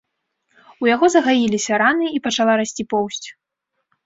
У яго загаіліся раны і пачала расці поўсць.